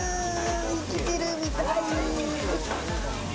生きてるみたい。